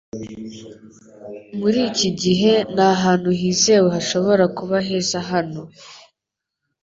Muri iki gihe nta hantu hizewe hashobora kuba heza hano